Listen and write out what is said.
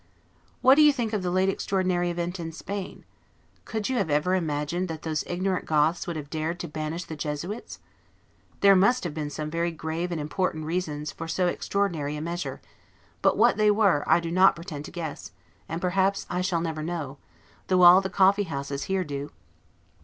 What do you think of the late extraordinary event in Spain? Could you have ever imagined that those ignorant Goths would have dared to banish the Jesuits? There must have been some very grave and important reasons for so extraordinary a measure: but what they were I do not pretend to guess; and perhaps I shall never know, though all the coffeehouses here do.